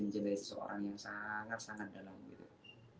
mencintai seseorang yang sangat sangat dalam hidup